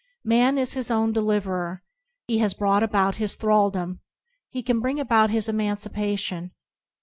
Man is his own deliverer. He has brought about his thral dom; he can bring about his emancipation.